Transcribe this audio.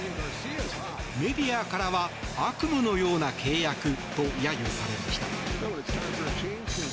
メディアからは悪夢のような契約と揶揄されました。